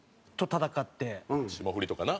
霜降りとかな。